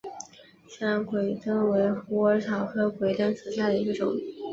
西南鬼灯檠为虎耳草科鬼灯檠属下的一个种。